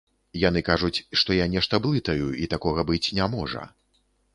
Яны кажуць, што я нешта блытаю і такога быць не можа.